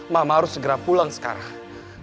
mama harus segera pulang sekarang